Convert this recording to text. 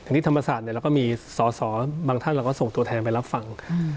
อันนี้ธรรมศาสตร์เราก็มีสอสอบางท่านเราก็ส่งตัวแทนไปรับฟัง